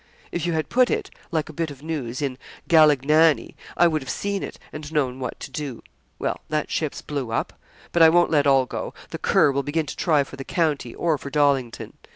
If you had put it, like a bit of news, in "Galignani," I would have seen it, and known what to do. Well, that ship's blew up. But I won't let all go. The cur will begin to try for the county or for Dollington.